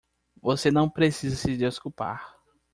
Você não precisa se desculpar.